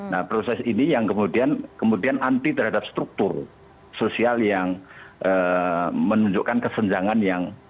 nah proses ini yang kemudian anti terhadap struktur sosial yang menunjukkan kesenjangan yang